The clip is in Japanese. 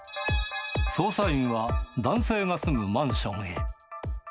捜査員は男性が住むマンションへ。